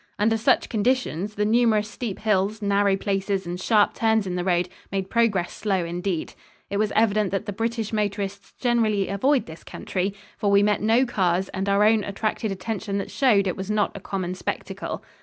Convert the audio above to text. Under such conditions, the numerous steep hills, narrow places and sharp turns in the road made progress slow indeed. It was evident that the British motorists generally avoid this country, for we met no cars and our own attracted attention that showed it was not a common spectacle.